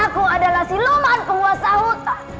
aku adalah siloman penguasa hutan